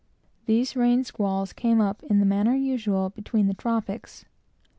These rain squalls came up in the manner usual between the tropics.